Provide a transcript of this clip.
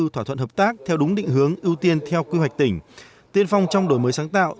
thỏa thuận hợp tác theo đúng định hướng ưu tiên theo quy hoạch tỉnh tiên phong trong đổi mới sáng tạo